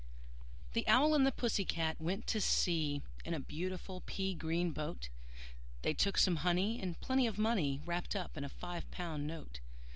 The Owl and the Pussy Cat went to sea In a beautiful pea green boat: They took some honey, and plenty of money Wrapped up in a five pound note.